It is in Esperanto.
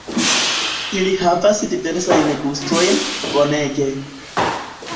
Ili havas diversajn gustojn, bonege